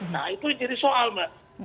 nah itu jadi soal mbak